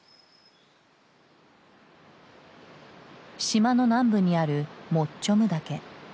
島の南部にあるモッチョム岳。